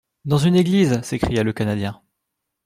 —Dans une église ! s'écria le Canadien.